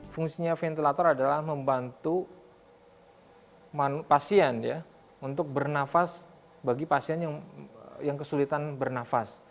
fungsinya ventilator adalah membantu pasien ya untuk bernafas bagi pasien yang kesulitan bernafas